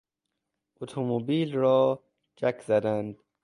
اتومبیل را جک زدن